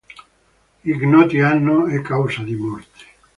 Ignoti anno e causa di morte.